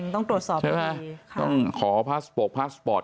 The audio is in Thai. ต้องขอพลัสโปรด